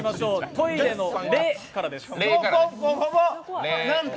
トイレの「レ」からです。